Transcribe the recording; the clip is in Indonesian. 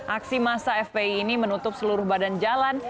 aksi masa fpi ini menutup seluruh badan jalan